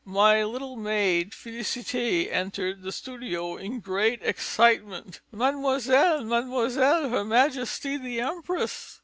My little maid Félicité entered the studio in great excitement: "'Mademoiselle, mademoiselle! Her Majesty the Empress!'